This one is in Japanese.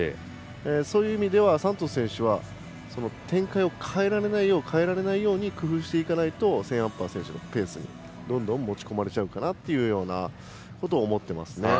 そういう意味ではサントス選手は展開を変えられないように工夫していかないとセーンアンパー選手のペースにどんどん持ち込まれちゃうかなということを思ってますね。